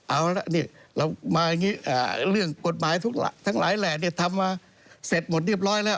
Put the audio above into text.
เอาละนี่เรามาอย่างนี้เรื่องกฎหมายทั้งหลายแหล่ทำมาเสร็จหมดเรียบร้อยแล้ว